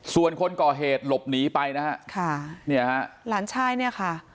ส่วนคนก่อเหตุหลบหนีไปนะฮะค่ะเนี่ยฮะหลานชายเนี่ยค่ะ